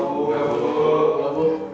bu apa kabar